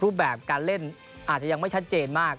รูปแบบการเล่นอาจจะยังไม่ชัดเจนมาก